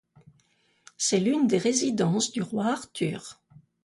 C'est l'une des résidences du roi Arthur.